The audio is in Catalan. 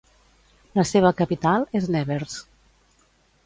La seva capital és Nevers.